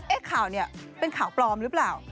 เอ๊ะข่าวเนี่ยเป็นข่าวปลอมหรือเปล่า